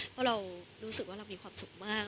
เพราะเรารู้สึกว่าเรามีความสุขมาก